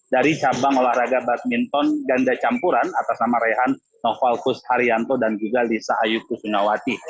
dari cabang olahraga badminton ganda campuran atas nama rehan novalkus haryanto dan juga lisa ayukusunawati